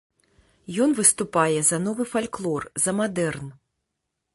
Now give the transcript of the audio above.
Ён выступае за новы фальклор, за мадэрн.